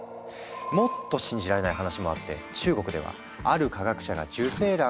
もっと信じられない話もあって中国ではある科学者が受精卵をゲノム編集。